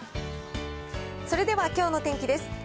それではきょうの天気です。